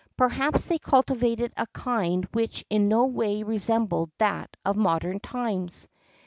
Perhaps they cultivated a kind which in no way resembled that of modern times.